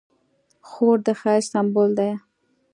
خور د ښایست سمبول ده.